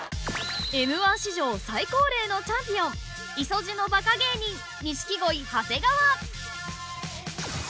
［Ｍ−１史上最高齢のチャンピオン五十路のバカ芸人錦鯉長谷川］